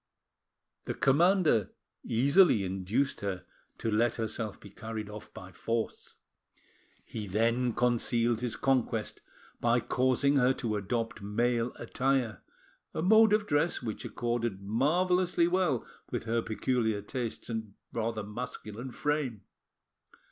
The commander easily induced her to let herself be carried off by force. He then concealed his conquest by causing her to adopt male attire, a mode of dress which accorded marvellously well with her peculiar tastes and rather masculine frame.